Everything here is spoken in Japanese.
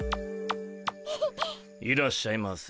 いらっしゃいませ。